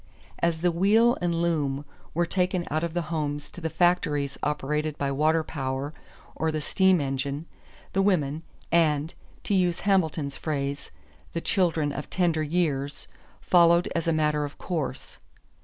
As the wheel and loom were taken out of the homes to the factories operated by water power or the steam engine, the women and, to use Hamilton's phrase, "the children of tender years," followed as a matter of course.